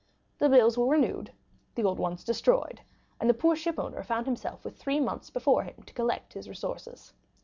The bills were renewed, the old ones destroyed, and the poor ship owner found himself with three months before him to collect his resources.